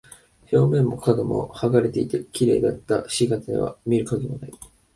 表面も角も剥がれていて、綺麗だった菱形は見る影もない。